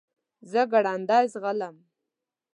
زه ګړندی ځغلم .